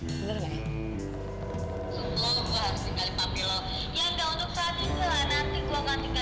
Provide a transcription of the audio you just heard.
ya gak untuk sialan nanti gue ganti kali papi lo